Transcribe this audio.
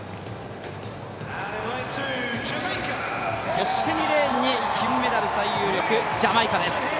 そして２レーンに金メダル最有力ジャマイカです。